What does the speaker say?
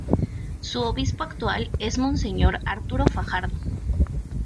Su obispo actual es Monseñor Arturo Fajardo.